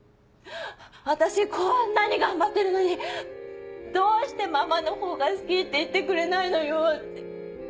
私こんなに頑張ってるのにどうしてママのほうが好きって言ってくれないのよって。